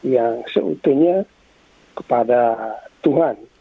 yang seutuhnya kepada tuhan